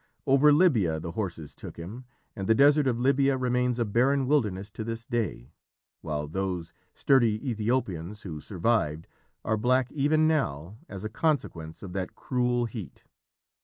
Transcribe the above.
Over Libya the horses took him, and the desert of Libya remains a barren wilderness to this day, while those sturdy Ethiopians who survived are black even now as a consequence of that cruel heat.